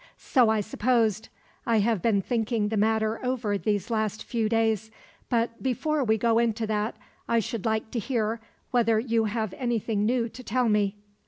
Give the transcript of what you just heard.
"So I supposed. I have been thinking the matter over these last few days. But before we go into that, I should like to hear whether you have anything new to tell me."